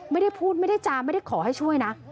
ไม่ได้พูดไม่ได้จาไม่ได้ขอให้ช่วยนะ